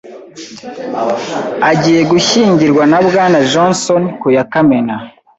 Agiye gushyingirwa na Bwana Johnson ku ya Kamena.